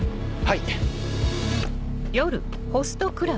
はい！